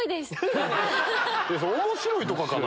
面白いとかかな？